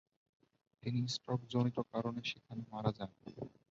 তিনি স্ট্রোকজনিত কারণে সেখানে মারা যান।